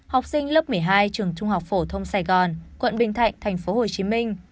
học sinh lớp một mươi hai trường trung học phổ thông sài gòn quận bình thạnh thành phố hồ chí minh